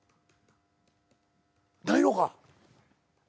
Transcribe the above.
ないのか。